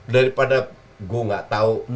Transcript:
daripada aku tidak tahu